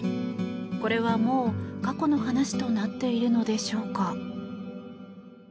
これはもう、過去の話となっているのでしょうか。